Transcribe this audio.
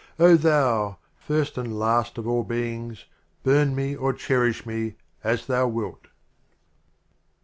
O Thou, First and Last of All Beings, Burn me or cherish me, as Thou wilt!